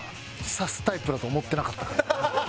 刺すタイプだと思ってなかったから。